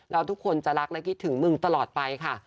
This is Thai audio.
แล้วทุกคนจะรักและคิดถึงมึงตลอดไปค่ะ